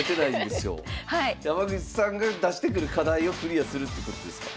山口さんが出してくる課題をクリアするってことですか？